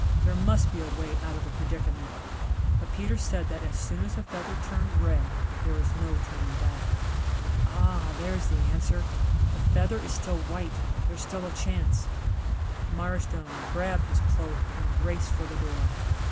There must be a way out of the predicament. But Peter said that as soon as the feather turned red there was no turning back. Ah there's the answer. The feather is still white ... there's still a chance. Mirestone grabbed his cloak and raced for the door.